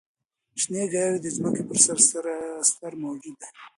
شنې ګیاوې د ځمکې پر سر ستر موجود دي.